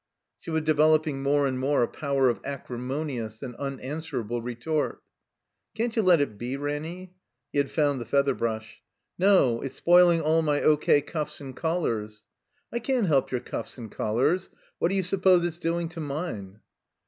She was developing more and more a power of acrimonious and unanswerable retort. "Can't you let it be, Ranny?" (He had found the feather brush.) "No. It's spoiling all my O.K. cuffs and collars." "I can't help your cuffs and collars. What do you suppose it's doing to mine?"